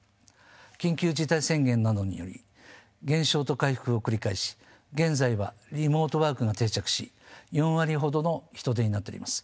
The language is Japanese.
緊急事態宣言などにより減少と回復を繰り返し現在はリモートワークが定着し４割ほどの人出になっております。